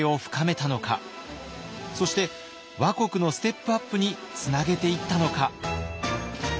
そして倭国のステップアップにつなげていったのか。